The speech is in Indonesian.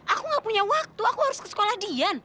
aku gak punya waktu aku harus ke sekolah dian